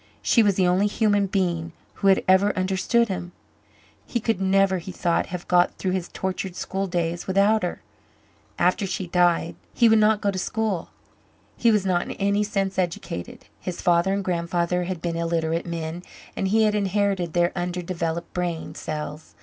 She was the only human being who had ever understood him. He could never, he thought, have got through his tortured school days without her. After she died he would not go to school. He was not in any sense educated. His father and grandfather had been illiterate men and he had inherited their underdeveloped brain cells.